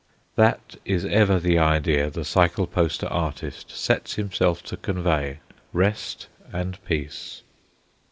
That is ever the idea the cycle poster artist sets himself to convey rest and peace.